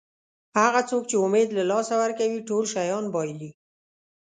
هغه څوک چې امید له لاسه ورکوي ټول شیان بایلي.